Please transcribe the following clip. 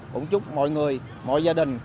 cũng chúc mọi người mọi gia đình